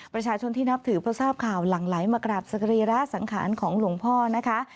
ประชาชนที่นับถือพอทราบข่าวหลังไหลมากราบสรีระสังขารของหลวงพ่อนะคะ